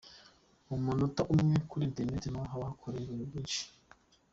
Mu munota umwe, kuri internet naho haba hakorewe ibintu byinshi.